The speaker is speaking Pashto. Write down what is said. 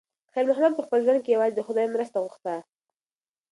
خیر محمد په خپل ژوند کې یوازې د خدای مرسته غوښته.